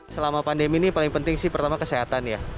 selama pandemi ini paling penting sih pertama kesehatan ya